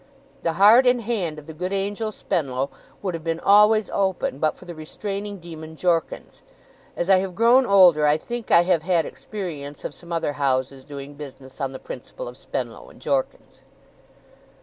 The heart and hand of the good angel Spenlow would have been always open, but for the restraining demon Jorkins. As I have grown older, I think I have had experience of some other houses doing business on the principle of Spenlow and Jorkins!